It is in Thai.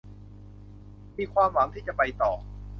มีความหวังที่จะไปต่อ